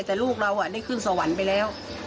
แต่ลูกเราได้ขึ้นสวรรค์ไปแล้ว